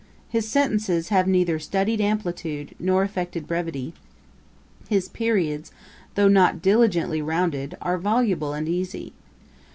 His sentences have neither studied amplitude, nor affected brevity: his periods, though not diligently rounded, are voluble and easy.